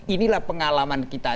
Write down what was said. inilah pengalaman kita